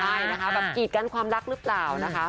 ใช่นะคะแบบกีดกันความรักหรือเปล่านะคะ